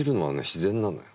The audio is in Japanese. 自然なのよ。